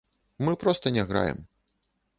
Мы проста не граем.